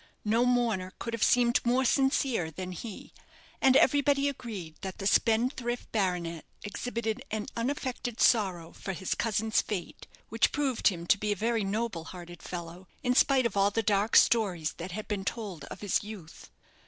No mourner could have seemed more sincere than he, and everybody agreed that the spendthrift baronet exhibited an unaffected sorrow for his cousin's fate, which proved him to be a very noble hearted fellow, in spite of all the dark stories that had been told of his youth.